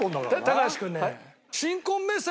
高橋君ね。